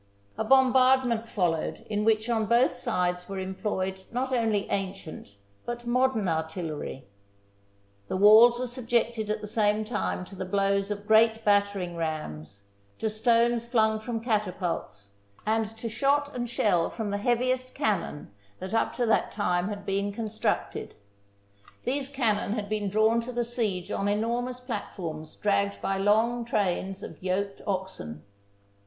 A bombardment followed in which on both sides were employed not only ancient but modern artil lery. The walls were subjected at the same time to the blows of great battering rams, to stones flung from catapults, and to shot and shell from the heavi est cannon that up to that time had been con THE BOOK OF FAMOUS SIEGES structed. These cannon had been drawn to the siege on enormous platforms dragged by long trains of yoked oxen.